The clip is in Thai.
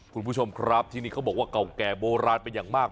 คุณผู้ชมครับที่นี่เขาบอกว่าเก่าแก่โบราณเป็นอย่างมาก